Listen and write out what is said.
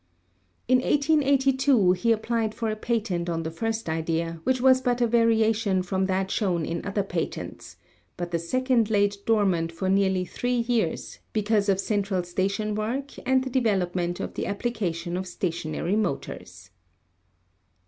In 1882 he applied for a patent on the first idea, which was but a variation from that shown in other patents, but the second laid dormant for nearly three years because of central station work and the development of the applica tion of stationary motors.